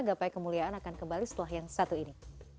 gapai kemuliaan akan kembali setelah yang satu ini